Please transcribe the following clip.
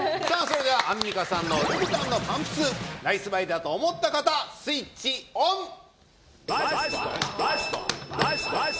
さぁそれではアンミカさんのルブタンのパンプスナイスバイだと思った方スイッチオン！